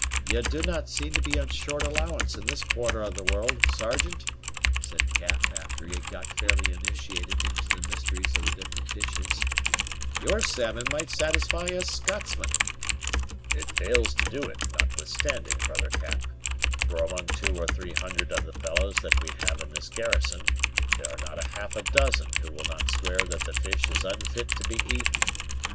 "You do not seem to be on short allowance in this quarter of the world, Sergeant," said Cap, after he had got fairly initiated into the mysteries of the different dishes; "your salmon might satisfy a Scotsman." "It fails to do it, notwithstanding, brother Cap; for among two or three hundred of the fellows that we have in this garrison there are not half a dozen who will not swear that the fish is unfit to be eaten.